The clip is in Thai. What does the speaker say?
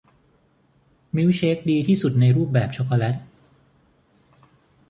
มิลค์เชคดีที่สุดในรูปแบบช็อกโกแลต